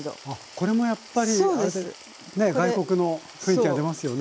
これもやっぱり外国の雰囲気ありますよね。